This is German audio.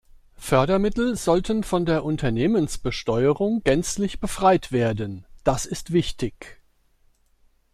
Fördermittel sollten von der Unternehmensbesteuerung gänzlich befreit werden, das ist wichtig.